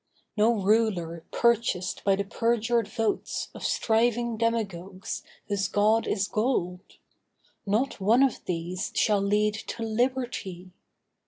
No ruler, purchased by the perjured votes Of striving demagogues whose god is gold. Not one of these shall lead to Liberty.